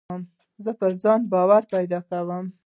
زه پر ځان باور پیدا کوم.